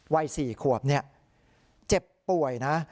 วัย๔ขวบเนี่ยเจ็บป่วยนะ